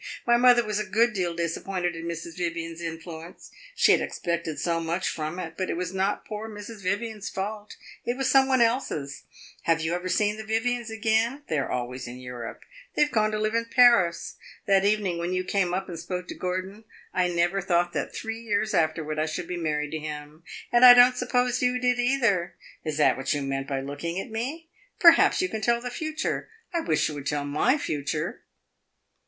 My mother was a good deal disappointed in Mrs. Vivian's influence; she had expected so much from it. But it was not poor Mrs. Vivian's fault, it was some one's else. Have you ever seen the Vivians again? They are always in Europe; they have gone to live in Paris. That evening when you came up and spoke to Gordon, I never thought that three years afterward I should be married to him, and I don't suppose you did either. Is that what you meant by looking at me? Perhaps you can tell the future. I wish you would tell my future!"